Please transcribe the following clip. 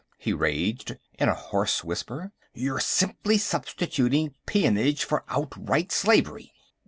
he raged, in a hoarse whisper. "You're simply substituting peonage for outright slavery!"